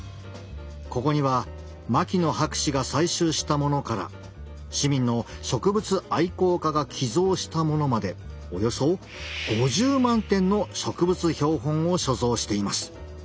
ここには牧野博士が採集したものから市民の植物愛好家が寄贈したものまでおよそ５０万点の植物標本を所蔵しています。